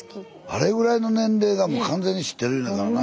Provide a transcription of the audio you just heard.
あれぐらいの年齢がもう完全に知ってるいうんやからな。